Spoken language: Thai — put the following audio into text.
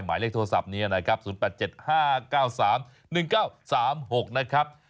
หมายเลขโทรศัพท์นี้นะครับ๐๘๗๕๙๓๑๙๓๖นะครับ